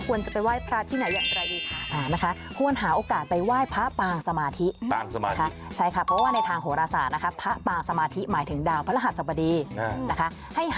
ควรจะไปว่ายพระที่ไหนไหนอะไรอีก